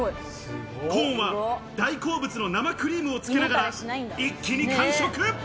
コーンは大好物の生クリームをつけながら一気に完食。